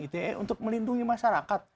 ite untuk melindungi masyarakat